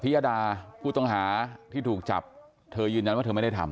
ยดาผู้ต้องหาที่ถูกจับเธอยืนยันว่าเธอไม่ได้ทำ